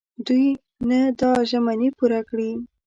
دوی نه دا ژمني پوره کړي.